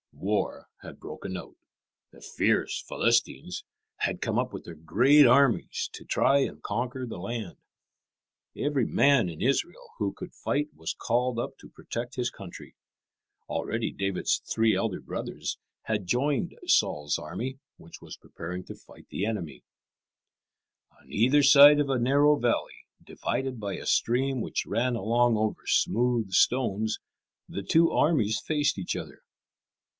War had broken out. The fierce Philistines had come up with their great armies to try and conquer the land. Every man in Israel who could fight was called up to protect his country. Already David's three elder brothers had joined Saul's army, which was preparing to fight the enemy. [Illustration: Jesse sends David to the camp.] On either side of a narrow valley, divided by a stream which ran along over smooth stones, the two armies faced each other.